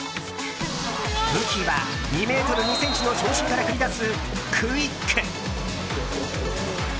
武器は２ｍ２ｃｍの長身から繰り出すクイック。